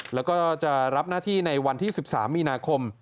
แล้วก็จะรับหน้าที่ในวันที่๑๓มีนาคม